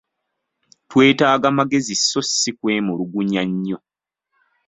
Twetaaga magezi sso si kwemulugunya nnyo.